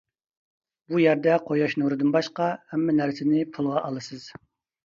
بۇ يەردە قۇياش نۇرىدىن باشقا ھەممە نەرسىنى پۇلغا ئالىسىز.